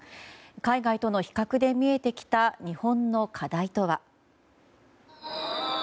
海外との比較で見えてきた日本の課題とは。